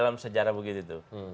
dalam sejarah begitu